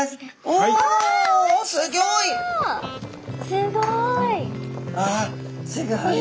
すごい。